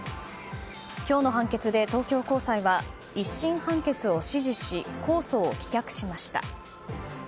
今日の判決で、東京高裁は１審判決を支持し公訴を棄却しました。